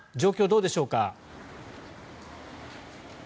どうでしょうか。